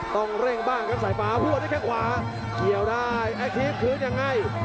ต้องเร่งบ้างแล้วครับไซฟ้าครับพวกเข้างขวาเกี่ยวได้แอคทีปคืนอย่างไร